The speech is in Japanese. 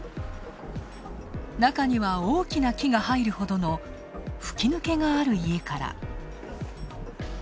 中には大きな木が入るほどの、吹き抜けがある家から。